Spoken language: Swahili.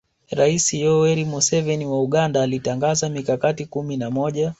Rais Yoweri Museveni wa Uganda alitangaza mikakati kumi na moja